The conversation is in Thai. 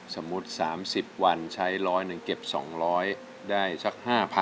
สมมุติ๓๐วันใช้ร้อยหนึ่งเก็บ๒๐๐ได้สัก๕๐๐๐